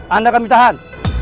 anda kami tahan